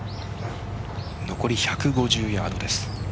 残り１５０ヤードです。